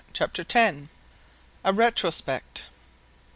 CHAPTER X. A RETROSPECT.